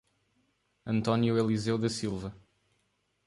Antônio Elizeu da Silva